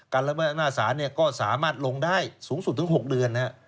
การละเมื่อหน้าสารก็สามารถลงได้สูงสุดถึง๖เดือนนะครับ